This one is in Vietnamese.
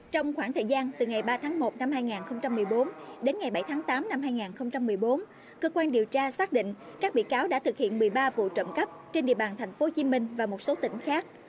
trong khoảng thời gian từ ngày ba tháng một năm hai nghìn một mươi bốn đến ngày bảy tháng tám năm hai nghìn một mươi bốn cơ quan điều tra xác định các bị cáo đã thực hiện một mươi ba vụ trộm cắp trên địa bàn tp hcm và một số tỉnh khác